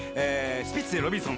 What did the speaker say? スピッツで『ロビンソン』。